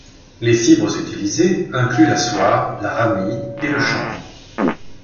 Les fibres utilisées incluent la soie, la ramie et le chanvre.